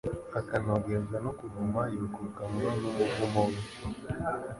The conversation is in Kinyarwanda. akanogerwa no kuvuma yokokamwa n’umuvumo we